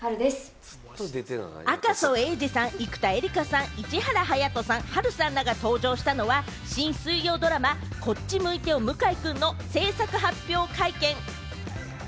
赤楚衛二さん、生田絵梨花さん、市原隼人さん、波瑠さんらが登場したのは、新水曜ドラマ『こっち向いてよ向井くん』の制作発表会見。